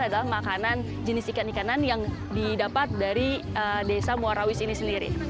adalah makanan jenis ikan ikanan yang didapat dari desa muarawis ini sendiri